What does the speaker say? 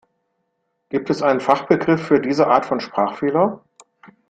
Gibt es einen Fachbegriff für diese Art von Sprachfehler?